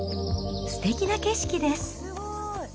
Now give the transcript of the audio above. すてきな景色です。